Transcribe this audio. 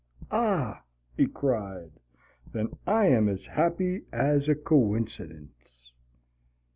"Ah!" he cried. "Then I am as happy as a coincidence!"